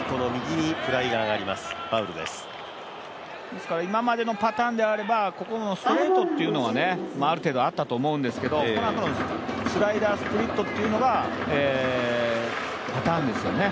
ですから今までのパターンであれば、ここのストレートというのがある程度あったと思うんですけど、スライダースプリットっていうのがパターンですよね。